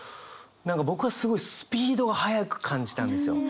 僕はすごいスピードが速く感じたんですよ。